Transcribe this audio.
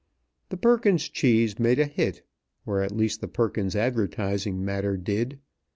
The Perkins cheese made a hit, or at least the Perkins advertising matter did.